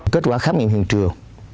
kết quả khám nghiệm hiện trường